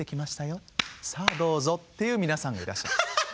さあどうぞっていう皆さんがいらっしゃる。